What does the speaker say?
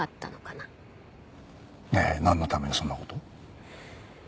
なんのためにそんな事を？